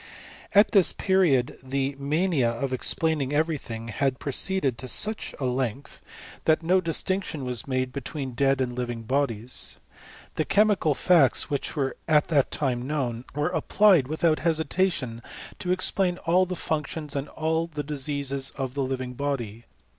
At this period the mania of explaining every thing had proceeded to such a length, that no distinctioa was made between dead and living bodies. The che^ mical facts which were at that time known, were ap plied without hesitation to explain all the functions and all the diseases of the living body.